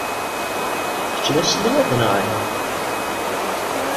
Kečč d aselmad neɣ ala?